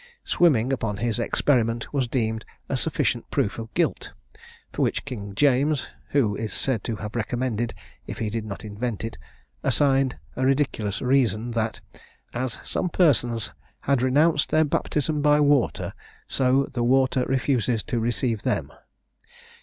Swimming, upon this experiment, was deemed a sufficient proof of guilt; for which king James (who is said to have recommended, if he did not invent it) assigned a ridiculous reason, that, "as some persons had renounced their baptism by water, so the water refuses to receive them."